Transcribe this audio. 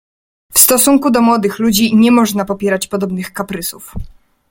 "W stosunku do młodych ludzi nie można popierać podobnych kaprysów."